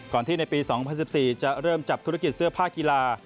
ที่ในปี๒๐๑๔จะเริ่มจับธุรกิจเสื้อผ้ากีฬา